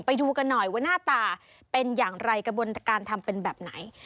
ไปดูกันหน่อยว่าหน้าตาเป็นอย่างไรกระบวนการทำเป็นแบบไหน